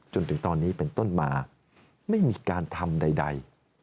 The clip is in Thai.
จนถึงตอนนี้เป็นต้นมาไม่มีการทำใด